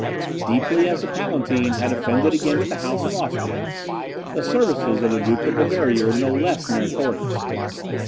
Deeply as the Palatine had offended against the House of Austria, the services of the Duke of Bavaria were no less meritorious.